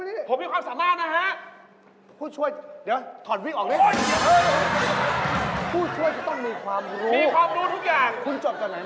กูรอมมึงไงจนกูเบิร์นหมดแล้วเนี่ยพี่ไงเป็นผู้ช่วยผู้ช่วยนี่ไง